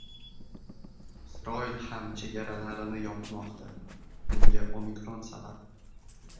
Isroil ham chegaralarini yopmoqda. Bunga "Omikron" sabab